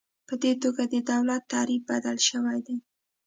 په دې توګه د دولت تعریف بدل شوی دی.